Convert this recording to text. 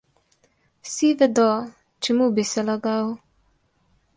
Vsi vedo, čemu bi se lagal?